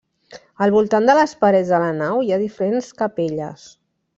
Al voltant de les parets de la nau hi ha diferents capelles.